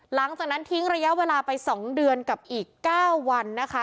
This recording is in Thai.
หลังจากนั้นทิ้งระยะเวลาไป๒เดือนกับอีก๙วันนะคะ